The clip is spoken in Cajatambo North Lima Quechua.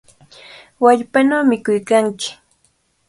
¡Wallpanaw mikuykanki!